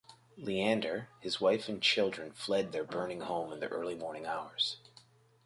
Leander, his wife and children fled their burning home in the early morning hours.